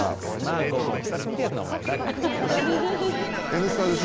「Ｎスタ」です。